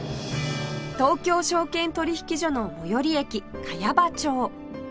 東京証券取引所の最寄り駅茅場町